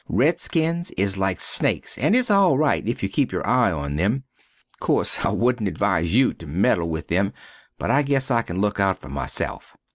Red Skins is like snakes and is al rite if you keep your eye on them. Course I woodnt advise you to medal with them, but I guess I can look out for myself.